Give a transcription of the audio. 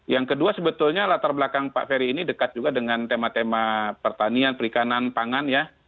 yang kedua sebetulnya latar belakang pak ferry ini dekat juga dengan tema tema pertanian perikanan pangan ya